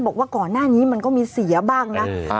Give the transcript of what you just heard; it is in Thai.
บอกว่าก่อนหน้านี้มันก็มีเสียบ้างนะ